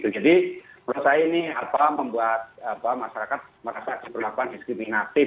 jadi menurut saya ini membuat masyarakat merasa berlakuan diskriminatif